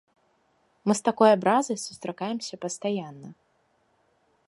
Мы з такой абразай сустракаемся пастаянна.